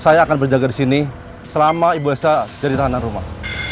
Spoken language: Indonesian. saya akan berjaga disini selama ibu elsa menjadi tahanan rumah